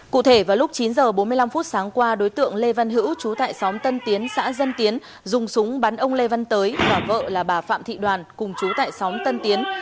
cụ thể vào lúc chín h bốn mươi năm sáng qua đối tượng lê văn hữu chú tại xóm tân tiến xã dân tiến dùng súng bắn ông lê văn tới và vợ là bà phạm thị đoàn cùng chú tại xóm tân tiến